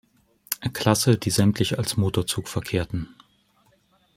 Klasse, die sämtlich als Motorzug verkehrten.